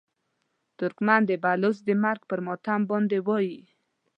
ترکمن د بلوڅ د مرګ پر ماتم باندې وایي.